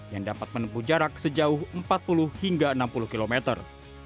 yang dapat menempuh jarak sejauh empat puluh hingga enam puluh kilometer